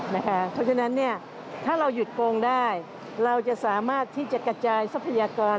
เพราะฉะนั้นถ้าเราหยุดโกงได้เราจะสามารถที่จะกระจายทรัพยากร